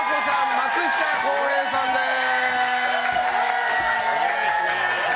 松下洸平さんです！